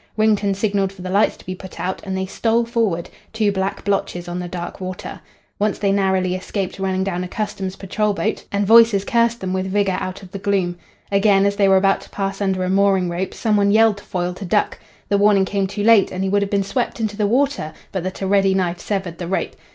Wrington signalled for the lights to be put out, and they stole forward, two black blotches on the dark water. Once they narrowly escaped running down a Customs' patrol boat, and voices cursed them with vigour out of the gloom. Again, as they were about to pass under a mooring rope, some one yelled to Foyle to duck. The warning came too late, and he would have been swept into the water but that a ready knife severed the rope.